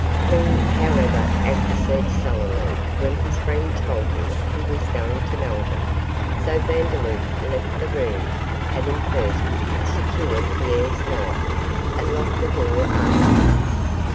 He, however, acquiesced sullenly when his friend told him he was going to Melbourne, so Vandeloup left the room, having first secured Pierre's knife, and locked the door after him.